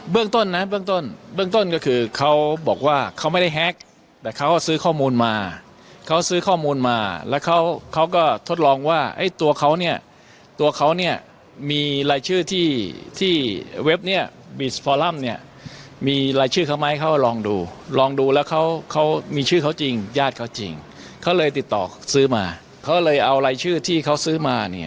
เรื่องต้นนะเบื้องต้นเบื้องต้นก็คือเขาบอกว่าเขาไม่ได้แฮ็กแต่เขาซื้อข้อมูลมาเขาซื้อข้อมูลมาแล้วเขาเขาก็ทดลองว่าไอ้ตัวเขาเนี่ยตัวเขาเนี่ยมีรายชื่อที่ที่เว็บเนี่ยบีสปอลัมเนี่ยมีรายชื่อเขาไหมเขาก็ลองดูลองดูแล้วเขาเขามีชื่อเขาจริงญาติเขาจริงเขาเลยติดต่อซื้อมาเขาเลยเอารายชื่อที่เขาซื้อมาเนี่ย